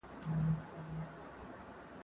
دغه پروت پر روح غبار دی